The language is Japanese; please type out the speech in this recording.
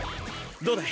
どうだい？